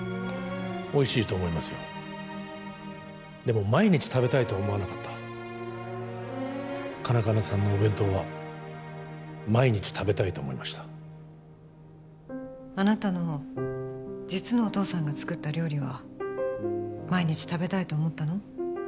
おいしいと思いますよでも毎日食べたいと思わなかったカナカナさんのお弁当は毎日食べたいと思いましたあなたの実のお父さんが作った料理は毎日食べたいと思ったの？